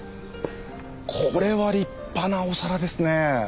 これは立派なお皿ですねえ！